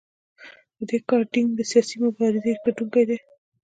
دې کار دینګ د سیاسي مبارزې ګټونکي کړل.